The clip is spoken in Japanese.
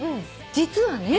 実はね」